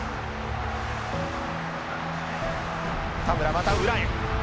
田村また裏へ。